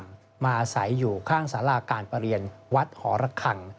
อาศัยมาอาศัยอยู่ข้างสาราการประเรียนวัดหอระคัง